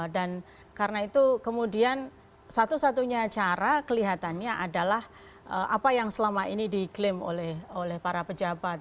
dan karena itu kemudian satu satunya cara kelihatannya adalah apa yang selama ini diklaim oleh para pejabat